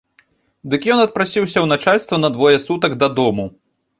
Дык ён адпрасіўся ў начальства на двое сутак дадому.